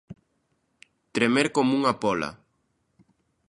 Tremer coma unha póla